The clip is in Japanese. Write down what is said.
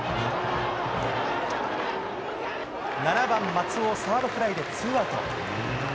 ７番、松尾サードフライでツーアウト。